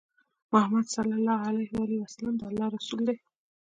محمد صلی الله عليه وسلم د الله رسول دی